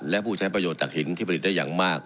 และผู้ใช้ประโยชนจากหินที่ผลิตได้อย่างมาก